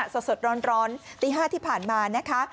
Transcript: สดสดร้อนร้อนตีห้าที่ผ่านมานะคะ